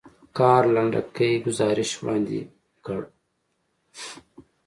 کار لنډکی ګزارش وړاندې کړ.